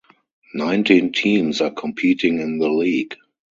Nineteen teams are competing in the league.